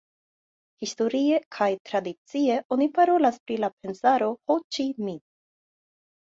Historie kaj tradicie oni parolas pri la Pensaro Ho Ĉi Minh.